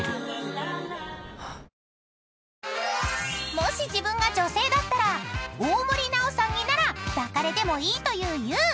［もし自分が女性だったら大森南朋さんになら抱かれてもいいというゆう。